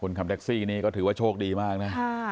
ขับแท็กซี่นี่ก็ถือว่าโชคดีมากนะ